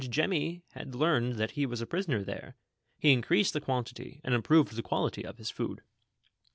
Jemmy had learned that he was a prisoner there, he increased the quantity and improved the quality of his food.